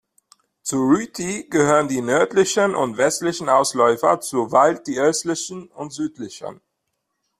Zu Rüti gehören die nördlichen und westlichen Ausläufer, zu Wald die östlichen und südlichen.